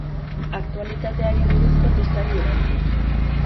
Aktualitateari buruzko testari erantzun.